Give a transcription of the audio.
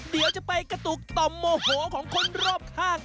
เดี๋ยวจะไปกระตุกต่อมโมโหของคนรอบข้าง